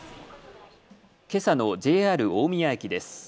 けさのＪＲ大宮駅です。